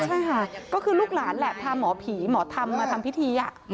ใช่ค่ะก็คือลูกหลานแหละพาหมอผีหมอธรรมมาทำพิธี